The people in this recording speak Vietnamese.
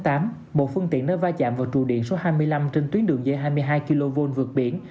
một phương tiện đã va chạm vào trụ điện số hai mươi năm trên tuyến đường dây hai mươi hai kv vượt biển